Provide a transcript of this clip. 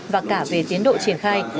và cả về tiến độ triển khai